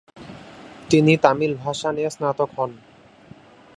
তিনি তামিল ভাষা নিয়ে স্নাতক হন।